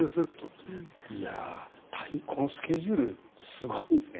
このスケジュールすごいですね。